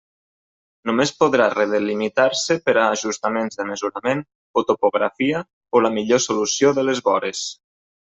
Només podrà redelimitar-se per a ajustaments de mesurament o topografia o la millor solució de les vores.